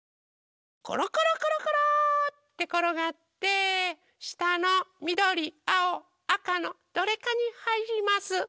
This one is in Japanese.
コロコロコロコローってころがってしたのみどりあおあかのどれかにはいります。